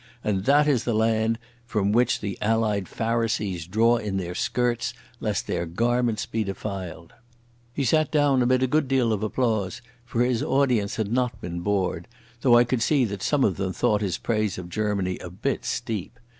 And that is the land from which the Allied Pharisees draw in their skirts lest their garments be defiled!" He sat down amid a good deal of applause, for his audience had not been bored, though I could see that some of them thought his praise of Germany a bit steep.